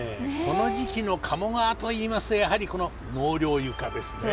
この時期の鴨川といいますとやはりこの納涼床ですね。